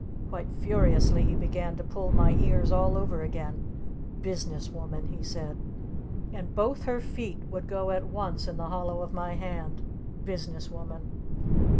Quite furiously he began to pull my ears all over again. "Business Woman," he said. "And both her feet would go at once in the hollow of my hand! _Business Woman!